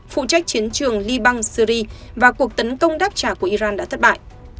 phụ trách chiến trường liban syri và cuộc tấn công đáp trả của iran đã thất bại